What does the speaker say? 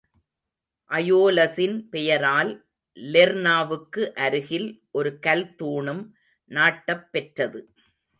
அயோலஸின் பெயரால் லெர்னாவுக்கு அருகில் ஒரு கல் தூணூம் நாட்டப் பெற்றது.